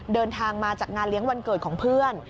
เดินทางมาจากงานเลี้ยงวันเกิดของเพื่อน